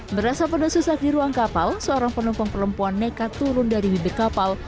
berasa penuh susah di ruang kapal seorang penumpang perempuan nekat turun dari bibir kapal